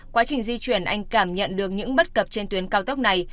quá trình di chuyển anh cảm nhận được những bất cập trên tuyến cao tốc này